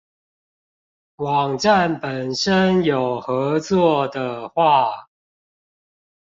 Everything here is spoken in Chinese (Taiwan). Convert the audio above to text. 網站本身有合作的話